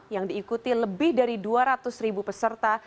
yang diikuti lebih dari dua ratus ribu peserta